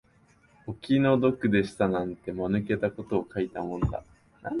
お気の毒でしたなんて、間抜けたことを書いたもんだ